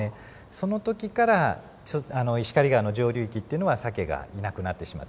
その時から石狩川の上流域っていうのはサケがいなくなってしまった。